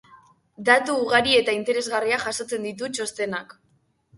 Datu ugari eta interesgarriak jasotzen ditu txostenak.